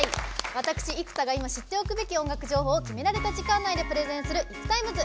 私、生田が今、知っておくべき音楽情報を決められた時間内でプレゼンする「ＩＫＵＴＩＭＥＳ」。